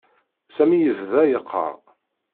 Sami yebda yeqqar.